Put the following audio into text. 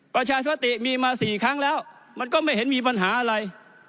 ประชาสมติมีมา๔ครั้งแล้วมันก็ไม่เห็นมีปัญหาอะไร